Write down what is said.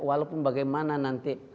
walaupun bagaimana nanti